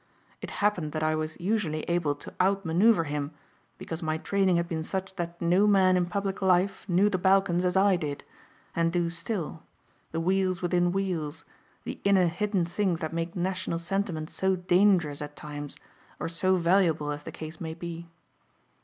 It happened that I was usually able to out manoeuvre him because my training had been such that no man in public life knew the Balkans as I did, and do still, the wheels within wheels, the inner hidden things that make national sentiment so dangerous at times or so valuable as the case may be.